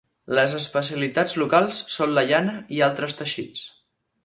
Les especialitats locals són la llana i altres teixits.